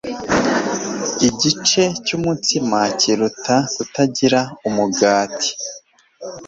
Igice cyumutsima kiruta kutagira umugati.